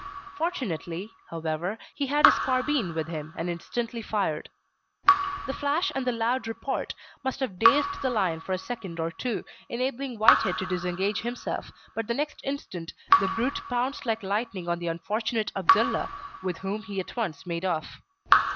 Fortunately, however, he had his carbine with him, and instantly fired. The flash and the loud report must have dazed the lion for a second or two, enabling Whitehead to disengage himself; but the next instant the brute pounced like lightning on the unfortunate Abdullah, with whom he at once made off.